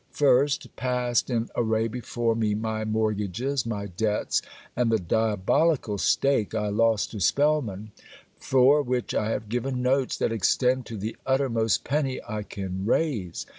First, past in array before me my mortgages, my debts, and the diabolical stake I lost to Spellman for which I have given notes that extend to the uttermost penny I can raise.